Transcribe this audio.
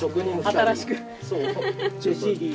新しく。